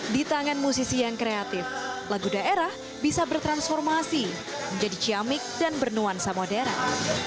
di tangan musisi yang kreatif lagu daerah bisa bertransformasi menjadi ciamik dan bernuansa modern